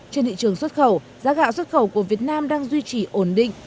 trên thị trường xuất khẩu giá gạo xuất khẩu của việt nam đang duy trì ổn định